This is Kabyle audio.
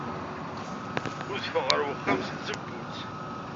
Udfeɣ ɣer uxxam seg tzewwut.